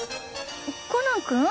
コナン君？